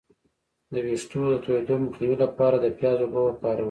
د ویښتو د تویدو مخنیوي لپاره د پیاز اوبه وکاروئ